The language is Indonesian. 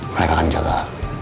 mereka akan jaga